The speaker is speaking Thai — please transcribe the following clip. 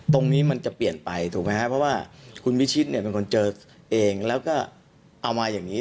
ตรงนี้มันจะเปลี่ยนไปถูกไหมครับเพราะว่าคุณวิชิตเนี่ยเป็นคนเจอเองแล้วก็เอามาอย่างนี้